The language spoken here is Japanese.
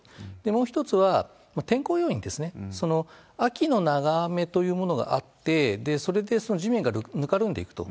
もう一つは、天候要因ですね、秋の長雨というものがあって、それで地面がぬかるんでいくと。